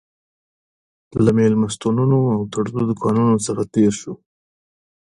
له مېلمستونونو او تړلو دوکانونو څخه تېر شوو.